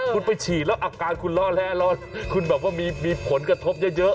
คุณไปฉีดแล้วอาการคุณล่อแร่ร้อนคุณแบบว่ามีผลกระทบเยอะ